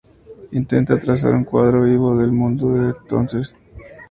Intenta trazar un cuadro vivo del mundo de entonces.